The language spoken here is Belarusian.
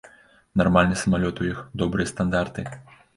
Нармальны самалёт у іх, добрыя стандарты.